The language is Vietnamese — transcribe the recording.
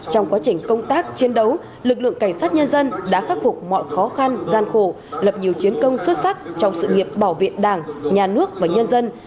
trong quá trình công tác chiến đấu lực lượng cảnh sát nhân dân đã khắc phục mọi khó khăn gian khổ lập nhiều chiến công xuất sắc trong sự nghiệp bảo vệ đảng nhà nước và nhân dân